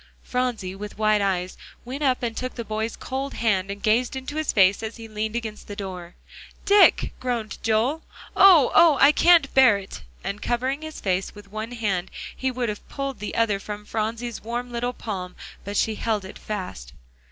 Phronsie, with wide eyes, went up and took the boy's cold hand, and gazed into his face as he leaned against the door. "Dick!" groaned Joel; "oh! oh! I can't bear it," and covering his face with one hand, he would have pulled the other from Phronsie's warm little palm, but she held it fast.